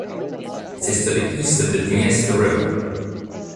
It is to the east of the Dniester River.